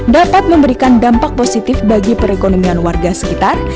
dapat memberikan dampak positif bagi perekonomian warga sekitar